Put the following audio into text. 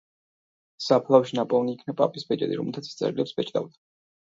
საფლავში ნაპოვნი იქნა პაპის ბეჭედი, რომლითაც ის წერილებს ბეჭდავდა.